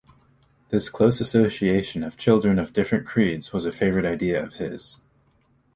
This close association of children of different creeds was a favorite idea of his.